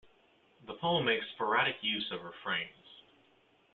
The poem makes sporadic use of refrains.